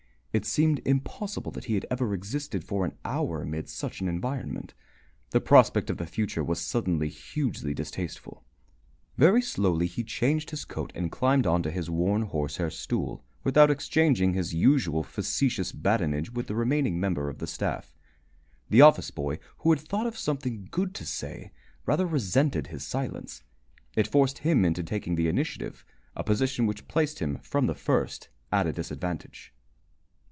It seemed impossible that he had ever existed for an hour amid such an environment. The prospect of the future was suddenly hugely distasteful. Very slowly he changed his coat and climbed on to his worn horsehair stool, without exchanging his usual facetious badinage with the remaining member of the staff. The office boy, who had thought of something good to say, rather resented his silence. It forced him into taking the initiative, a position which placed him from the first at a disadvantage.